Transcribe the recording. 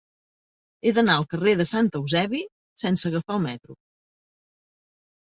He d'anar al carrer de Sant Eusebi sense agafar el metro.